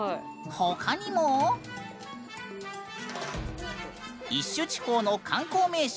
他にもイッシュ地方の観光名所